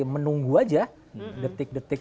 menunggu aja detik detik